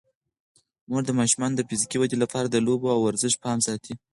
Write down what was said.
مور د ماشومانو د فزیکي ودې لپاره د لوبو او ورزش پام ساتي.